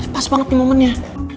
pas banget nih momennya